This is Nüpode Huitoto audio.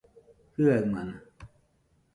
Jiaɨamana